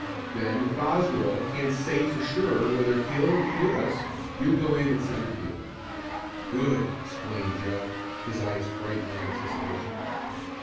Then if Oswald can't say for sure whether he'll be with us, you'll go in at centre field." "Good!" exclaimed Joe, his eyes bright with anticipation.